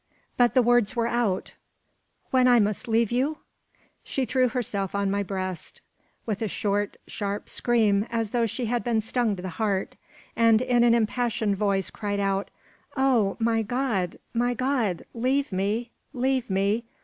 But the words were out "When I must leave you?" She threw herself on my breast, with a short, sharp scream, as though she had been stung to the heart, and in an impassioned voice cried aloud "Oh! my God, my God! leave me! leave me!